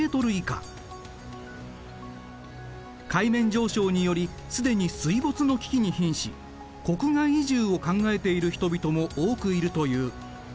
海面上昇により既に水没の危機にひんし国外移住を考えている人々も多くいるという。